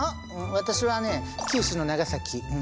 私はね九州の長崎。